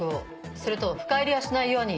それと深入りはしないように。